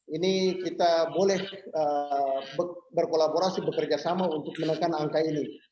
ini kita boleh berkolaborasi bekerja sama untuk menekan angka ini